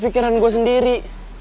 kekitaran gue sendiri